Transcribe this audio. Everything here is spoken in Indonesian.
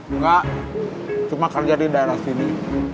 enggak cuma kerja di daerah sini